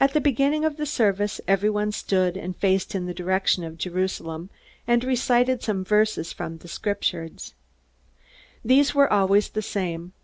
At the beginning of the service, everyone stood and faced in the direction of Jerusalem, and recited some verses from the Scriptures. These were always the same.